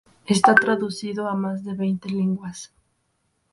Está traducido a más de veinte lenguas.